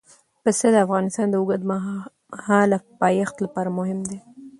پسه د افغانستان د اوږدمهاله پایښت لپاره مهم دی.